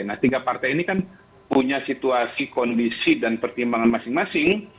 nah tiga partai ini kan punya situasi kondisi dan pertimbangan masing masing